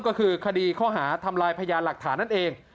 ก็คือคดีข้อหาทำลายพยานหลักฐานนั่นเอง